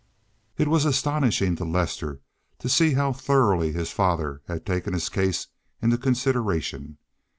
It was astonishing to Lester to see how thoroughly his father had taken his case into consideration.